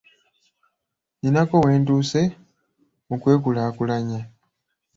Ninako we ntuuse mu kwekulaakulanya.